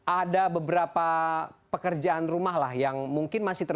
ada beberapa pekerjaan rumah lah yang mungkin masih terjadi